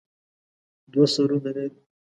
دوه سرونه لري.